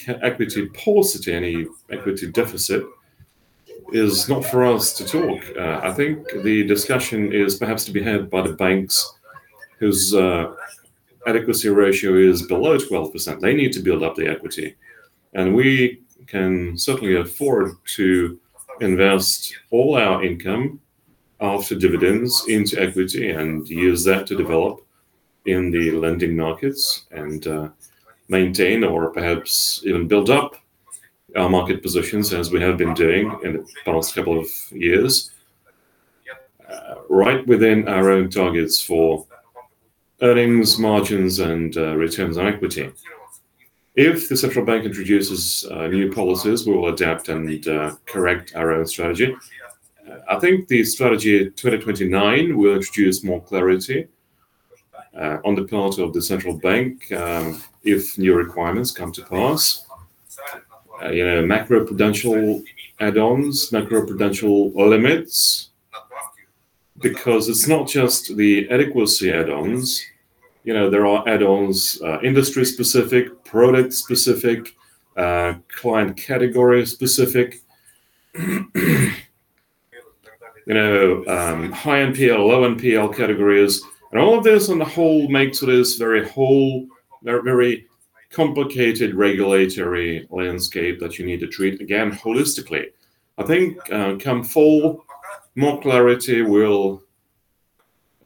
equity paucity, any equity deficit is not for us to talk. I think the discussion is perhaps to be had by the banks whose adequacy ratio is below 12%. They need to build up the equity. We can certainly afford to invest all our income after dividends into equity and use that to develop in the lending markets and maintain or perhaps even build up our market positions as we have been doing in the past couple of years, right within our own targets for earnings margins and returns on equity. If the Central Bank introduces new policies, we will adapt and correct our own strategy. I think the Strategy 2029 will introduce more clarity on the part of the Central Bank if new requirements come to pass. You know, macroprudential add-ons, macroprudential limits, because it's not just the adequacy add-ons. You know, there are add-ons, industry specific, product specific, client category specific. You know, high NPL, low NPL categories. All of this on the whole makes this very complicated regulatory landscape that you need to treat again holistically. I think, come fall, more clarity will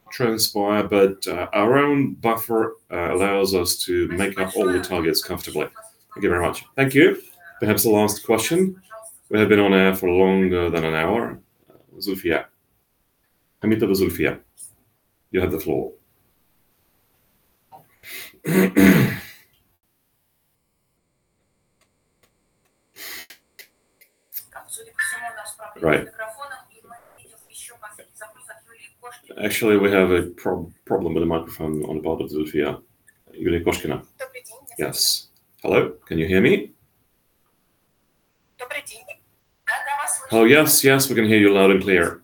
transpire, but our own buffer allows us to make up all the targets comfortably. Thank you very much. Thank you. Perhaps the last question. We have been on air for longer than an hour. Zulfia. [Hamida Zulfia], you have the floor. Right. Actually, we have a problem with the microphone on the part of Zulfia. Good afternoon. Yes. Hello? Can you hear me? Good afternoon. Yes, we can hear you loud and clear.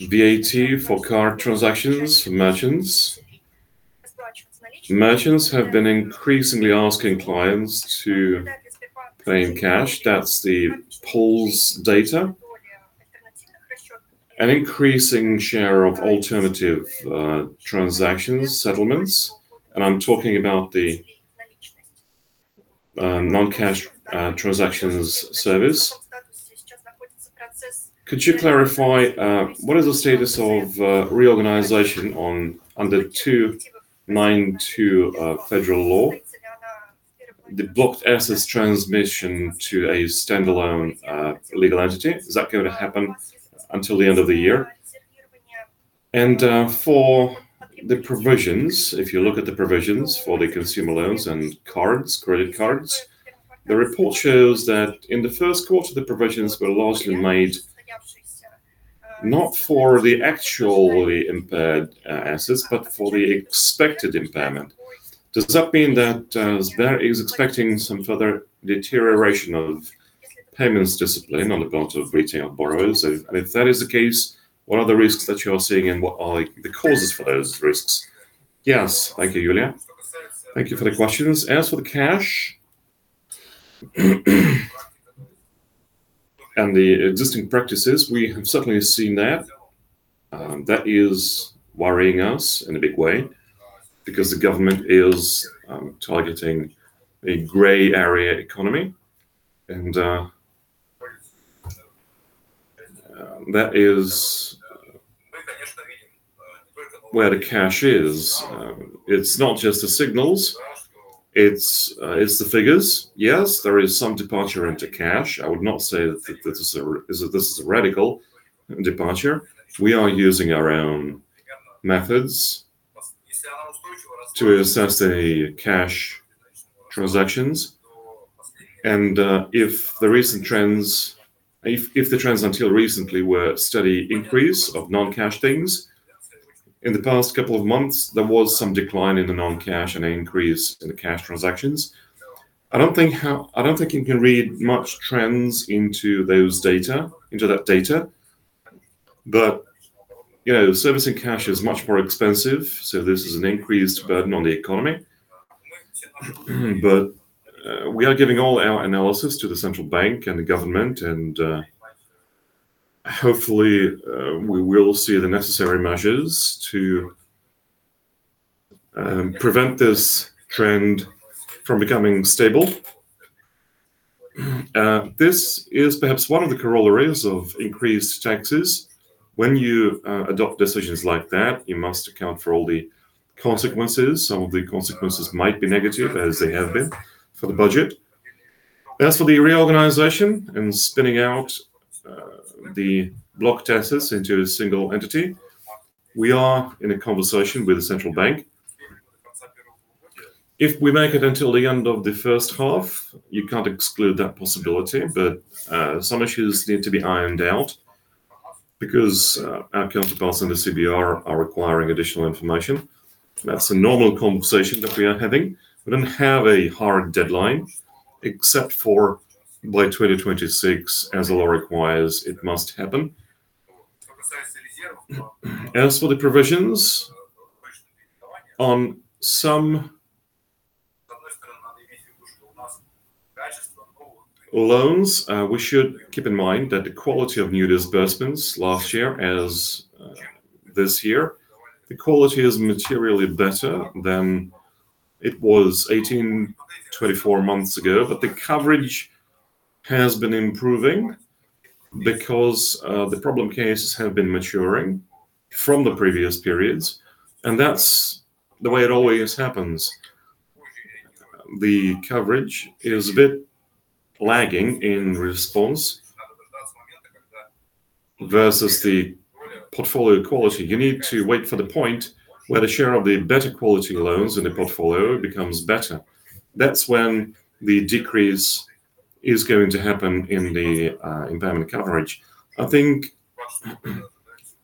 VAT for card transactions, merchants. Merchants have been increasingly asking clients to pay in cash. That's the polls data. An increasing share of alternative transactions, settlements, I'm talking about the non-cash transactions service. Could you clarify what is the status of reorganization under Federal Law? The blocked assets transmission to a standalone legal entity, is that going to happen until the end of the year? For the provisions, if you look at the provisions for the consumer loans and cards, credit cards, the report shows that in the Q1 the provisions were largely made not for the actual impaired assets, but for the expected impairment. Does that mean that Sber is expecting some further deterioration of payments discipline on account of retail borrowers? If that is the case, what are the risks that you're seeing and what are the causes for those risks? Yes. Thank you, Yulia. Thank you for the questions. As for the cash, and the existing practices, we have certainly seen that. That is worrying us in a big way because the government is targeting a gray area economy, and that is where the cash is. It's not just the signals, it's the figures. Yes, there is some departure into cash. I would not say that this is a radical departure. We are using our own methods to assess the cash transactions and if the recent trends If the trends until recently were steady increase of non-cash things, in the past couple of months there was some decline in the non-cash and an increase in the cash transactions. I don't think you can read much trends into that data. You know, servicing cash is much more expensive, so this is an increased burden on the economy. We are giving all our analysis to the Central Bank and the government, and hopefully, we will see the necessary measures to prevent this trend from becoming stable. This is perhaps one of the corollaries of increased taxes. When you adopt decisions like that, you must account for all the consequences. Some of the consequences might be negative, as they have been for the budget. As for the reorganization and spinning out the blocked assets into a single entity, we are in a conversation with the Central Bank. If we make it until the end of the H1, you can't exclude that possibility, some issues need to be ironed out because our counterparts in the CBR are requiring additional information. That's a normal conversation that we are having. We don't have a hard deadline except for by 2026, as the law requires, it must happen. As for the provisions on some loans, we should keep in mind that the quality of new disbursements last year, as this year, the quality is materially better than it was 18 months-24 months ago. The coverage has been improving because the problem cases have been maturing from the previous periods, and that's the way it always happens. The coverage is a bit lagging in response versus the portfolio quality. You need to wait for the point where the share of the better quality loans in the portfolio becomes better. That's when the decrease is going to happen in the impairment coverage. I think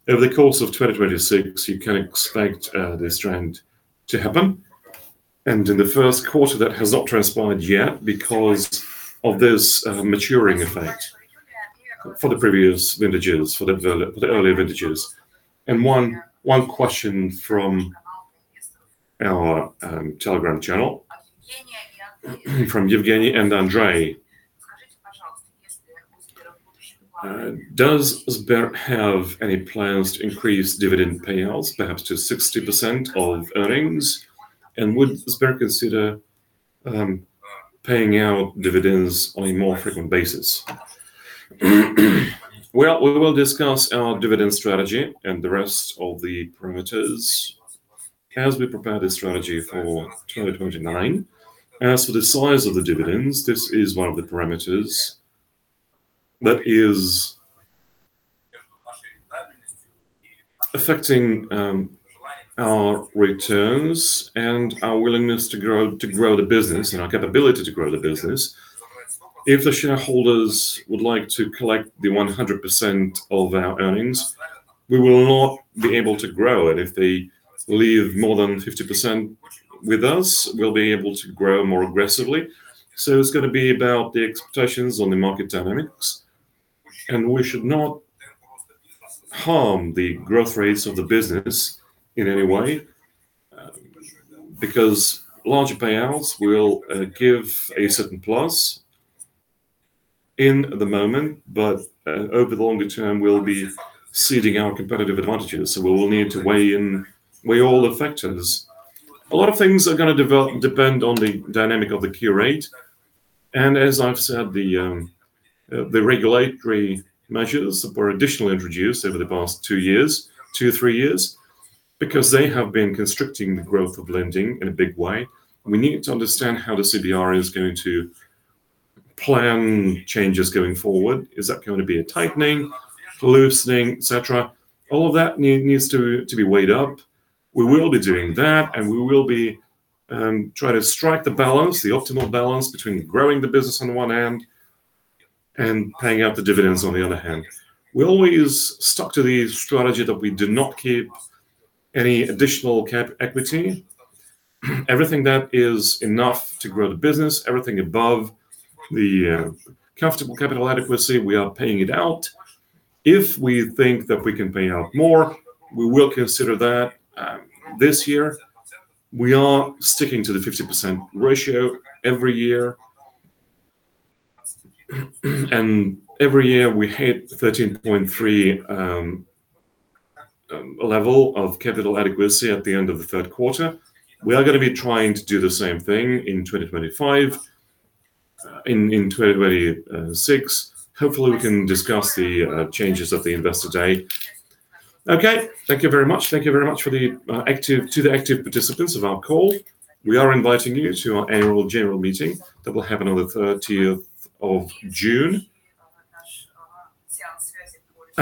over the course of 2026 you can expect this trend to happen, and in the Q1 that has not transpired yet because of this maturing effect for the previous vintages, for the earlier vintages. One question from our Telegram channel, from Evgeniy and [Andrei]. Does Sber have any plans to increase dividend payouts perhaps to 60% of earnings? Would Sber consider paying out dividends on a more frequent basis? Well, we will discuss our dividend strategy and the rest of the parameters as we prepare the strategy for 2029. As for the size of the dividends, this is one of the parameters that is affecting our returns and our willingness to grow the business and our capability to grow the business. If the shareholders would like to collect the 100% of our earnings, we will not be able to grow it. If they leave more than 50% with us, we'll be able to grow more aggressively. It's gonna be about the expectations on the market dynamics, and we should not harm the growth rates of the business in any way because larger payouts will give a certain plus in the moment. Over the longer term we'll be ceding our competitive advantages. We'll need to weigh in, weigh all the factors. A lot of things are gonna depend on the dynamic of the key rate. As I've said, the regulatory measures were additionally introduced over the past two years, two, three years, because they have been constricting the growth of lending in a big way. We need to understand how the CBR is going to plan changes going forward. Is that going to be a tightening, loosening, et cetera? All of that needs to be weighed up. We will be doing that, and we will be trying to strike the balance, the optimal balance between growing the business on the one hand and paying out the dividends on the other hand. We always stuck to the strategy that we do not keep any additional cap equity. Everything that is enough to grow the business, everything above the comfortable capital adequacy, we are paying it out. If we think that we can pay out more, we will consider that this year. We are sticking to the 50% ratio every year. Every year we hit the 13.3 level of capital adequacy at the end of the Q4. We are gonna be trying to do the same thing in 2025, in 2026. Hopefully, we can discuss the changes at the Investor Day. Okay. Thank you very much. Thank you very much for the active participants of our call. We are inviting you to our Annual General Meeting that will happen on the June 30th.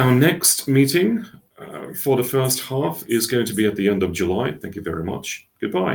Our next meeting, for the H1, is going to be at the end of July. Thank you very much. Goodbye.